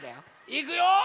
いくよ！